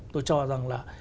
tôi cho rằng là